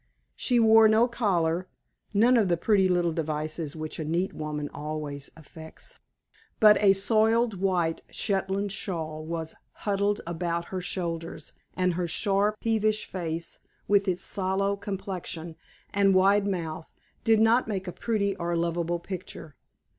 She wore no collar, none of the pretty little devices which a neat woman always affects, but a soiled white Shetland shawl was huddled about her shoulders, and her sharp, peevish face, with its sallow complexion and wide mouth, did not make a pretty or lovable picture.